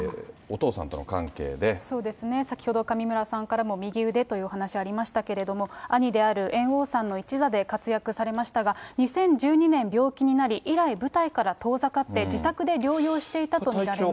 そうですね、先ほど上村さんからも右腕というお話ありましたけれども、兄である猿翁さんの一座で活躍されましたが、２０１２年病気になり、以来舞台から遠ざかって、自宅で療養していたと見られます。